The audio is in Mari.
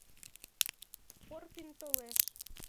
Порпин толеш.